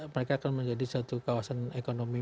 mereka akan menjadi satu kawasan ekonomi